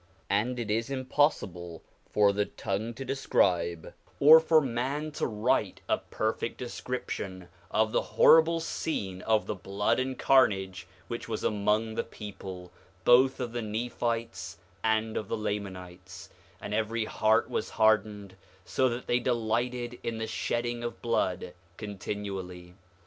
4:11 And it is impossible for the tongue to describe, or for man to write a perfect description of the horrible scene of the blood and carnage which was among the people, both of the Nephites and of the Lamanites; and every heart was hardened, so that they delighted in the shedding of blood continually.